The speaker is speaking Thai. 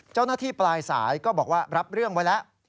เจ้าหน้าที่ปลายสายก็บอกว่ารับเรื่องไว้แล้ว